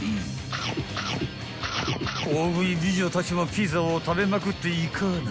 ［大食い美女たちもピザを食べまくっていかぁな］